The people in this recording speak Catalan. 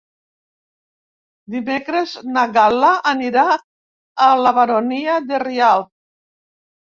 Dimecres na Gal·la anirà a la Baronia de Rialb.